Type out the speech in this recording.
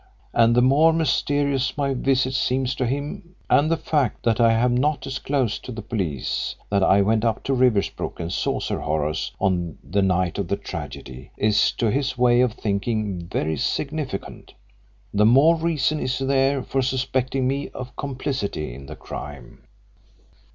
And the more mysterious my visit seems to him and the fact that I have not disclosed to the police that I went up to Riversbrook and saw Sir Horace on the night of the tragedy is to his way of thinking very significant the more reason is there for suspecting me of complicity in the crime."